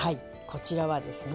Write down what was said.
こちらはですね